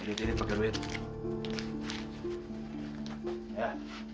ini pake duit ya